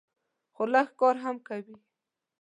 خو لږ کار هم کوي.